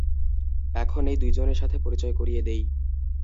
এখন এই দুইজনের সাথে পরিচয় করিয়ে দেই।